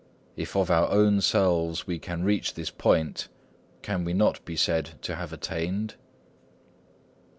If of our own selves we can reach this point, Can we not be said to have attained?"